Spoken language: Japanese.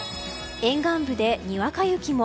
沿岸部でにわか雪も。